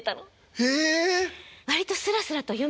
へえ。